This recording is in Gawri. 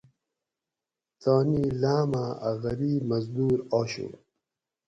تانی لاماں ا غریب مزدور آشو